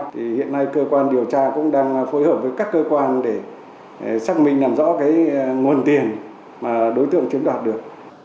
thì hiện nay cơ quan điều tra cũng đang phối hợp với các cơ quan để xác minh làm rõ cái nguồn tiền mà đối tượng chiếm đoạt được